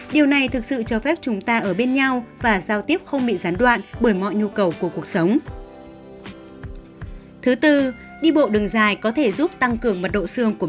điều này thực sự cho phép chúng ta ở bên nhau và giao tiếp không bị gián đoạn bởi mọi nhu cầu của cuộc sống